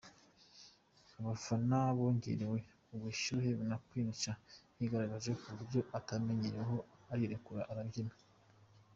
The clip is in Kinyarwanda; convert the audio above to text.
Abafana bongerewe ubushyuhe na Queen Cha, yigaragaje mu buryo atamenyereweho arirekura arabyina.